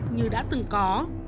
như đã từng có